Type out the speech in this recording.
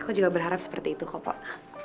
aku juga berharap seperti itu kok